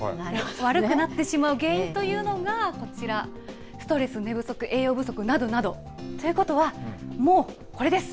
悪くなってしまう原因というのがこちら、ストレス、寝不足、栄養不足などなど。ということは、もうこれです。